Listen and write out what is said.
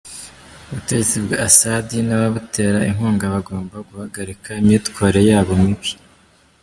Ubutegetsi bwa Assad n’ababutera inkunga bagomba guhagarika imyitwarire yabo mibi.